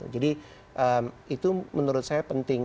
jadi itu menurut saya penting